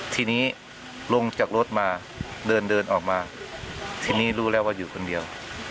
ทีนี้ลงจากรถมาเดินเดินออกมาทีนี้รู้แล้วว่าอยู่คนเดียว